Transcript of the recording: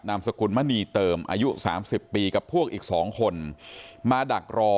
สกุลมณีเติมอายุ๓๐ปีกับพวกอีก๒คนมาดักรอ